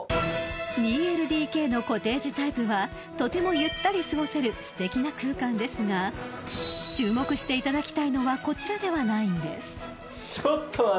［２ＬＤＫのコテージタイプはとてもゆったり過ごせるすてきな空間ですが注目していただきたいのはこちらではないんです］